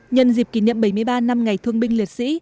nhân dịp kỷ niệm bảy mươi ba năm ngày thương binh liệt sĩ